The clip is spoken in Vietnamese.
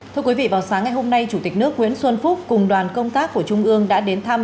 thưa quý vị vào sáng ngày hôm nay chủ tịch nước nguyễn xuân phúc cùng đoàn công tác của trung ương đã đến thăm